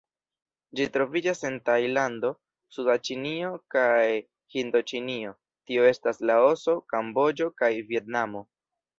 Ĝi troviĝas en Tajlando, suda Ĉinio kaj Hindoĉinio, tio estas Laoso, Kamboĝo kaj Vjetnamo.